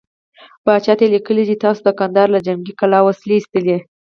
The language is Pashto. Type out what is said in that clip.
پاچا ته يې ليکلي دي چې تاسو د کندهار له جنګې کلا وسلې ايستلې.